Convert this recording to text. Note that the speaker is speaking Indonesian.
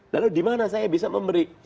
lalu di mana saya bisa memberi